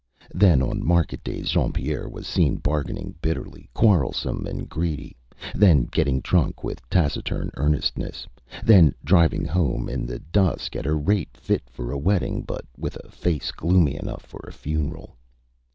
Then on market days Jean Pierre was seen bargaining bitterly, quarrelsome and greedy; then getting drunk with taciturn earnestness; then driving home in the dusk at a rate fit for a wedding, but with a face gloomy enough for a funeral.